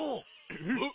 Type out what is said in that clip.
えっ！？